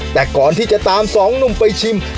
แต่ก่อนที่จะตามสองหนุ่มไปชิม